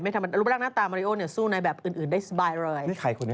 ฝรั่งหน้าตามะโร่นี่สู้ในแบบอื่นได้สบายเลย